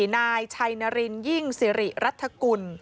นายชัยนารินยิ่งสิริรัฐกุล